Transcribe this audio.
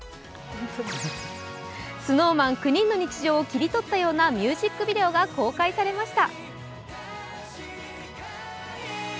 ＳｎｏｗＭａｎ９人の日常を切り取ったようなミュージックビデオが公開されました。